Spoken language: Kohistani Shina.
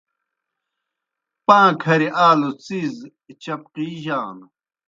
پاں کھریْ آلوْ څِیز پِڅقِجانوْ۔